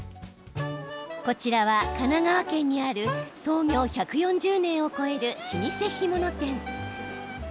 こちらは、神奈川県にある創業１４０年を超える老舗干物店。